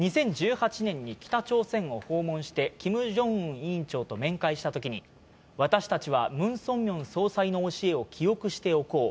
２０１８年に北朝鮮を訪問して、キム・ジョンウン委員長と面会したときに、私たちはムン・ソンミョン総裁の教えを記憶しておこう。